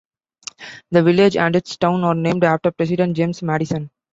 The village and its town are named after President James Madison.